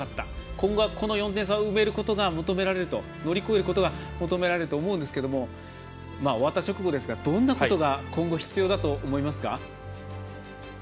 今後はこの４点差が埋めることが求められる乗り越えることが求められると思うんですけれども終わった直後ですがどんなことが今後、必要だと思いますか？